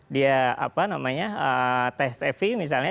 dia apa namanya tsev misalnya